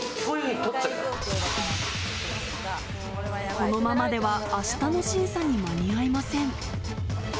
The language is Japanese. このままでは明日の審査に間に合いません。